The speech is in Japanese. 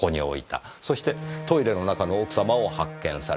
そしてトイレの中の奥様を発見された。